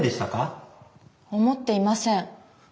思っていません。